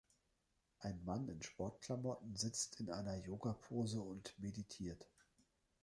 Ein Mann in Sportklamotten sitzt in einer Yogapose und meditiert.